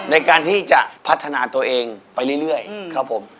ในการที่จะพัฒนาตัวเองไปเรื่อยครับผม